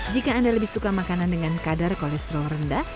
jika anda lebih suka makanan dengan kadar kolesterol rendah